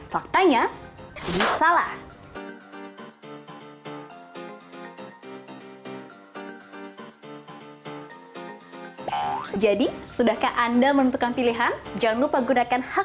faktanya ini salah